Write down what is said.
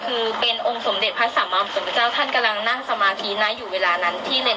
คือเป็นองค์สมเด็จพระสามัคสมเจ้าท่านกำลังนั่งสมาธินะอยู่เวลานั้นที่เลน